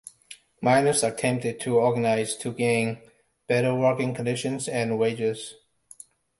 Miners attempted to organize to gain better working conditions and wages.